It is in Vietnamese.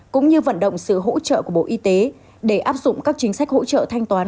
cũng như vận động sự hỗ trợ của bộ y tế để áp dụng các chính sách hỗ trợ thanh toán